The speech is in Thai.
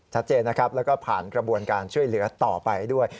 ชัดเจนนะครับแล้วก็ผ่านกระบวนการช่วยเหลือต่อไปด้วย